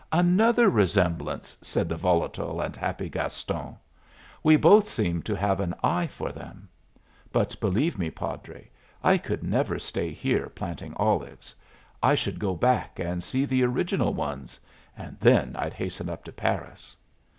"Another resemblance!" said the volatile and happy Gaston. "We both seem to have an eye for them. But, believe me, padre, I could never stay here planting olives. I should go back and see the original ones and then I'd hasten up to Paris."